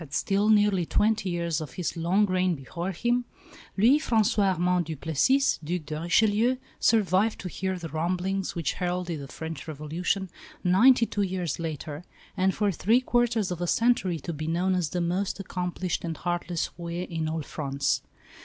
had still nearly twenty years of his long reign before him, Louis François Armand Duplessis, Duc de Richelieu, survived to hear the rumblings which heralded the French Revolution ninety two years later; and for three quarters of a century to be known as the most accomplished and heartless roué in all France.